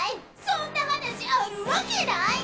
そんな話あるわけない！